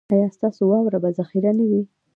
ایا ستاسو واوره به ذخیره نه وي؟